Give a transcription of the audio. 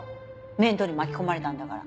面倒に巻き込まれたんだから。